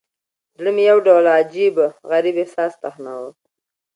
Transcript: زړه مې يو ډول عجيب، غريب احساس تخنوه.